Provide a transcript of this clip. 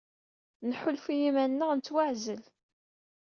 Nḥulfa i yiman-nneɣ nettwaɛzel.